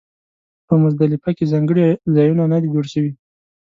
په مزدلفه کې ځانګړي ځایونه نه دي جوړ شوي.